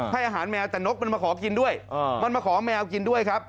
ให้อาหารแมวแต่นกมันมาขอกินด้วยมันมาขอแมวกินด้วยครับ